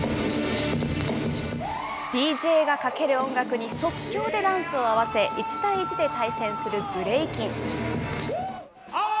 ＤＪがかける音楽に即興でダンスを合わせ１対１で対戦するブレイキン。